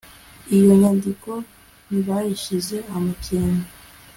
iyo nyandiko ntibayishize amakenga